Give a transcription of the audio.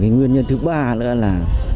nguyên nhân thứ ba là